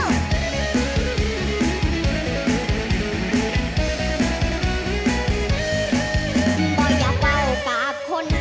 น้องบ่สนของพ่อสำนี